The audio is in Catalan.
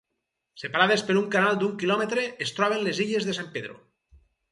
Separades per un canal d'un quilòmetre es troben les illes de San Pedro.